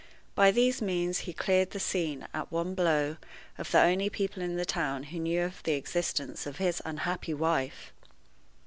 By these means he cleared the scene, at one blow, of the only people in the town who knew of the existence of his unhappy wife.